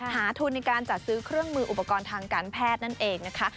หาทุนในการจัดซื้อเครื่องมืออุปกรณ์ทางการแพทย์นั่นเองนะคะ